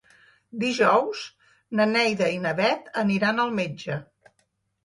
Dijous na Neida i na Bet aniran al metge.